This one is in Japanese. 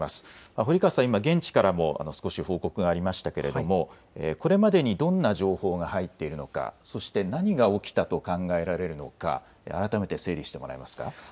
堀川さん、今、現地からも報告がありましたけれどもこれまでにどんな情報が入っているのか、そして何が起きたと考えられるのか、改めて整理してもらえますか。